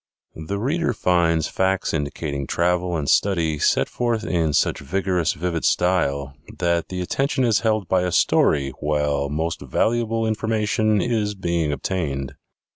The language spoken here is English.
The reader finds facts indicating travel and study set forth in such vigorous, vivid style that the attention is held by a story while most valuable information is being obtained.